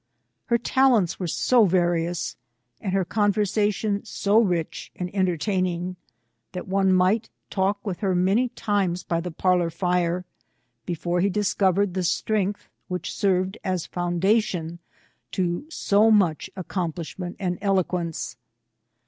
Her talents were so various, and her conversa CONTEESATION. 2B9 tion so ricli and entertaining, that one might talk with, her many times, by the parlour fire, before he discovered the strength which sei'ved as foun dation to so much accomplishment and eloquence.